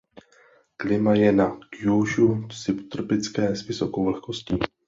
Klima je na Kjúšú subtropické s vysokou vlhkostí.